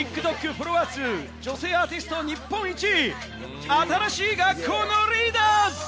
フォロワー数、女性アーティスト日本一、新しい学校のリーダーズ。